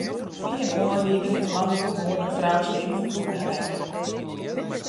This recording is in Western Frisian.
By in oanriding is moandeitemoarn in frou slim ferwûne rekke.